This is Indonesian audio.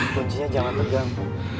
kuncinya jangan tegang